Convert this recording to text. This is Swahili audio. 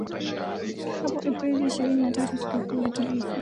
hapo April ishirini na tatu sikukuu ya taifa